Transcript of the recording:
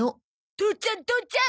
父ちゃん父ちゃん。